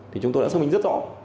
thì chúng tôi đã xác minh rất rõ